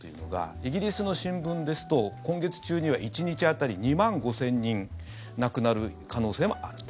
イギリスの新聞ですと今月中には１日当たり２万５０００人亡くなる可能性もあると。